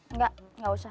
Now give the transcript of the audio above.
enggak enggak usah